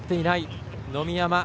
野見山